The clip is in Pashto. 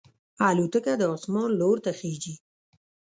الوتکه د اسمان لور ته خېژي.